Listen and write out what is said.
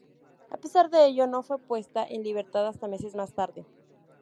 A pesar de ello, no fue puesta en libertad hasta meses más tarde.